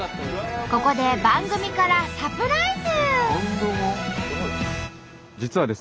ここで番組からサプライズ。